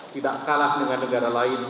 tidak kalah dengan negara lain